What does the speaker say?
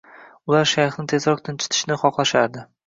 Ular shayxni tezroq tinchitishni xohlashardi